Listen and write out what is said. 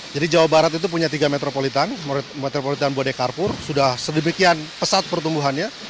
jadi jawa barat itu punya tiga metropolitan metropolitan bode karpur sudah sedemikian pesat pertumbuhannya